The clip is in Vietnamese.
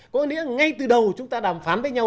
có nghĩa ngay từ đầu chúng ta đàm phán với nhau